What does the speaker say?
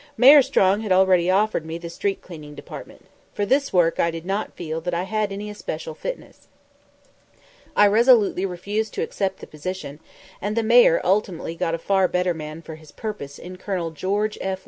Mayor Strong had already offered me the Street Cleaning Department. For this work I did not feel that I had any especial fitness. I resolutely refused to accept the position, and the Mayor ultimately got a far better man for his purpose in Colonel George F.